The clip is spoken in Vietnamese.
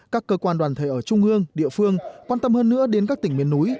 các cơ quan đoàn thể ở trung ương địa phương quan tâm hơn nữa đến các tỉnh miền núi